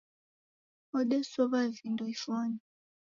Odesow'a vindo ifonyi